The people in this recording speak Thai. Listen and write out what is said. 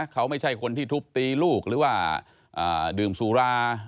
เขาไม่ใช่คนที่ทุบตีลูกหรือว่าดื่มสุรา